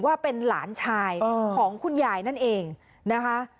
ว่าเป็นหลานชายของคุณยายนั่นเองนะคะ